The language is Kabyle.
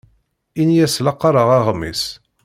Ini-as la qqareɣ aɣmis.